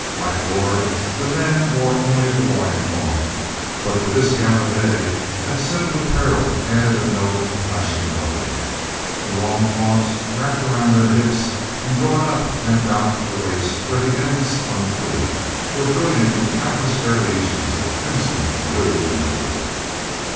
Like Gor, the men wore only the loin cloth, but for this gala day, that simple apparel added a note of flashing color. The long cloths wrapped about their hips, and brought up and about the waist where the ends hung free, were brilliant with countless variations of crimson and blue and gold.